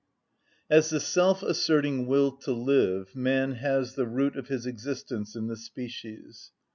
As the self‐asserting will to live man has the root of his existence in the species.